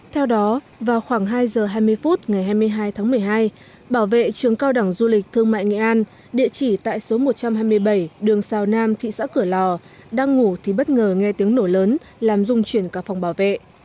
theo đó vào khoảng hai giờ hai mươi phút ngày hai mươi hai tháng một mươi hai bảo vệ trường cao đẳng du lịch thương mại nghệ an địa chỉ tại số một trăm hai mươi bảy đường xào nam thị xã cửa lò đang ngủ thì bất ngờ nghe tiếng nổ lớn làm dung chuyển cả phòng bảo vệ